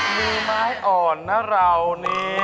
มีไม้อ่อนนะเรานี้